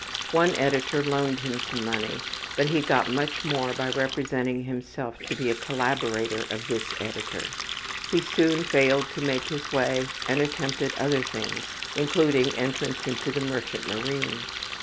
One editor loaned him some money, but he got much more by representing himself to be a collaborator of this editor. He soon failed to make his way and attempted other things, including entrance into the merchant marine.